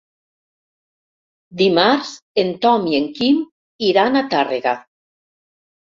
Dimarts en Tom i en Quim iran a Tàrrega.